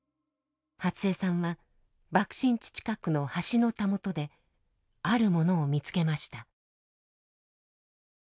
初恵さんは爆心地近くの橋のたもとであるものを見つけました。